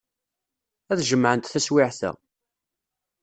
Ad jemɛent taswiɛt-a.